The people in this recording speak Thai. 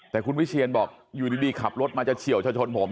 แต่คุณวิเชียนบอกอยู่ดีขับรถมาจะเฉียวจะชนผม